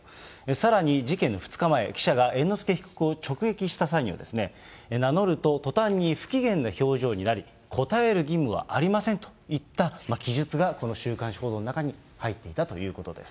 さらに事件の２日前、記者が猿之助被告を直撃した際には、名乗ると途端に不機嫌な表情になり、答える義務はありませんといった記述が、この週刊誌報道の中に入っていたということです。